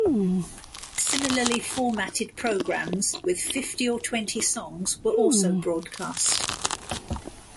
Similarly formatted programmes with fifty or twenty songs were also broadcast.